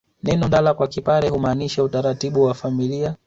Neno ndala kwa Kipare humaanisha utaratibu wa familia